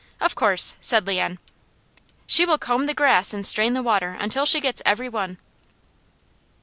"Of course," said Leon. "She will comb the grass and strain the water until she gets every one."